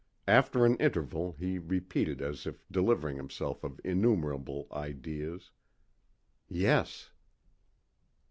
After an interval he repeated as if delivering himself of innumerable ideas "Yes."